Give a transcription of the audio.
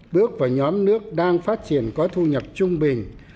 bước vào nhóm nước đang phát triển có thu nhập trung bình